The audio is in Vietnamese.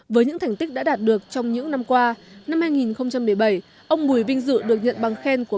với những thành tích đã đạt được trong những năm qua năm hai nghìn một mươi bảy ông bùi vinh dự được nhận bằng khen của